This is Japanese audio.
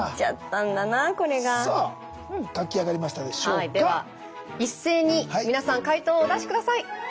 では一斉に皆さん解答をお出し下さい。